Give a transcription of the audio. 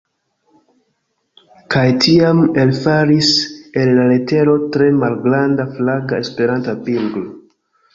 Kaj tiam elfalis el la letero tre malgranda flaga Esperanta pinglo.